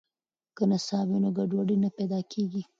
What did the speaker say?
که نصاب وي نو ګډوډي نه پیدا کیږي.